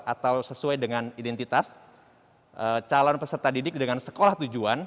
atau sesuai dengan identitas calon peserta didik dengan sekolah tujuan